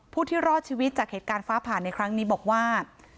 ที่รอดชีวิตจากเหตุการณ์ฟ้าผ่านในครั้งนี้บอกว่า